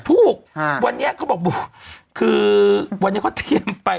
ถูกวันนี้เขาบอกคือวันนี้เขาเตรียมไป